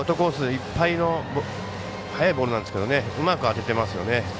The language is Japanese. いっぱいの速いボールなんですけどうまく当ててますよね。